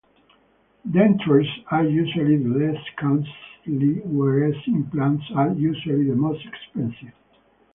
Dentures are usually the least costly whereas implants are usually the most expensive.